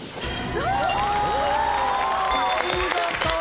お見事！